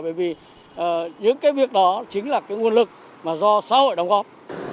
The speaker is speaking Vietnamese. bởi vì những cái việc đó chính là cái nguồn lực mà do xã hội đóng góp